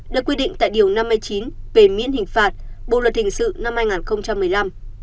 được quy định tại điều năm mươi chín về miễn hình phạt bộ luật hình sự năm hai nghìn một mươi năm